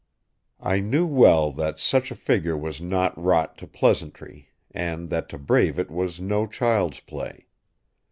"I knew well that such a figure was not wrought to pleasantry; and that to brave it was no child's play.